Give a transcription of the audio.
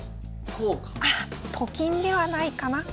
あっと金ではないかな。